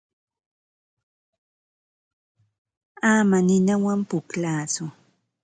Ama ninawan pukllatsu.